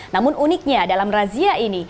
namun uniknya dalam razia ini